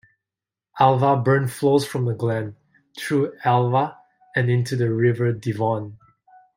Alva Burn flows from the glen, through Alva, and into the River Devon.